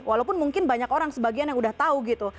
walaupun mungkin banyak orang sebagian yang udah tahu gitu